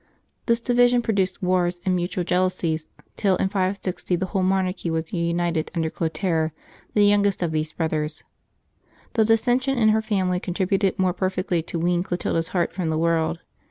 This division produced wars and mutual jeal ousies, till in 560 the whole monarchy was reunited under Clotaire, the youngest of these brothers. The dissension in her family contributed more perfectly to wean Clotilda's heart from the world.